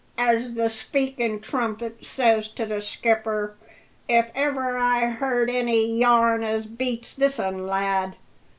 as the speakin trumpet says to the skipper if ever I heard any yarn as beats this 'un, lad.